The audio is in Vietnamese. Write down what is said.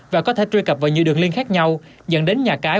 và có thể truy cập vào nhiều đường liên khác nhau dẫn đến nhà cái